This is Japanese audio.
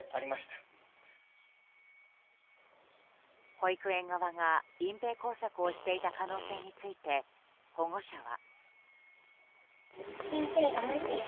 保育園側が隠ぺい工作をしていた可能性について保護者は。